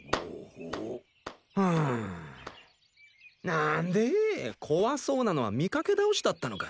なんでぇ怖そうなのは見かけ倒しだったのか。